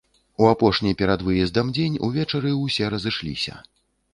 У апошні перад выездам дзень увечары ўсе разышліся.